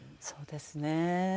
そうですね。